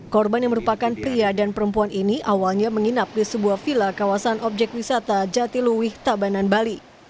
korban yang merupakan pria dan perempuan ini awalnya menginap di sebuah vila kawasan objek wisata jatiluwih tabanan bali